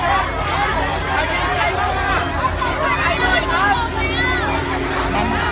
ก็ไม่มีเวลาให้กลับมาเท่าไหร่